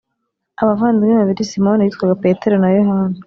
abavandimwe babiri Simoni witwaga Petero na yohana